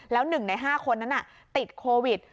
แล้ว๑ใน๕คนนั้นติดโควิด